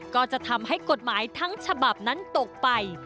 ก็จะทำให้กฎหมายทั้งฉบับนั้นตกไป